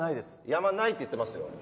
山ないって言ってますよ。